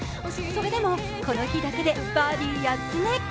それでもこの日だけでバーディー８つ目。